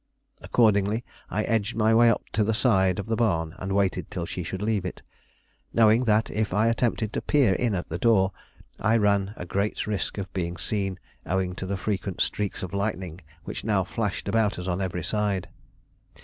Accordingly I edged my way up to the side of the barn and waited till she should leave it, knowing that if I attempted to peer in at the door, I ran great risk of being seen, owing to the frequent streaks of lightning which now flashed about us on every side.